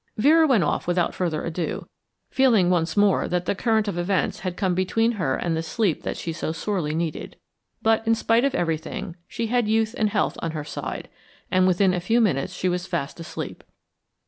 Vera went off without any further ado, feeling that once more the current of events had come between her and the sleep that she so sorely needed. But, in spite of everything, she had youth and health on her side, and within a few minutes she was fast asleep.